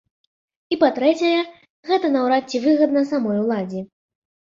І па-трэцяе, гэта наўрад ці выгадна самой уладзе.